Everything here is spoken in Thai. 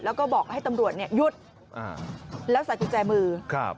และก็บอกให้ตำรวจยุทธ์และสาดกิจจ่ายมือ